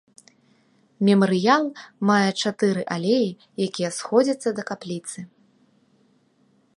Мемарыял мае чатыры алеі, які сходзяцца да капліцы.